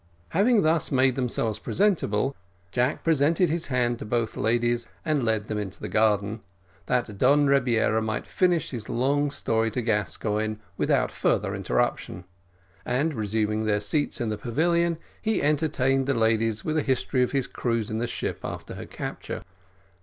Having thus made themselves presentable, Jack presented his hand to both ladies, and led them into the garden, that Don Rebiera might finish his long story to Gascoigne without further interruption, and resuming their seats in the pavilion, he entertained the ladies with a history of his cruise in the ship after her capture.